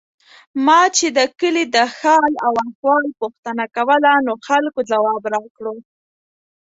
ما چې د کلي د حال او احوال پوښتنه کوله، نو خلکو ځواب راکړو.